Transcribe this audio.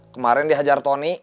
kemarin dihajar tony